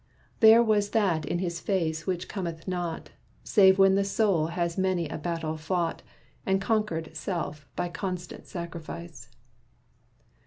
There was that in his face which cometh not, Save when the soul has many a battle fought, And conquered self by constant sacrifice.